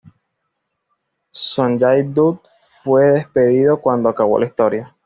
Sonjay Dutt fue despedido cuando acabó la historia.